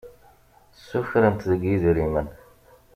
Sukren-t deg idrimen.